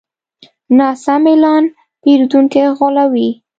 ناسم اعلان پیرودونکي غولوي.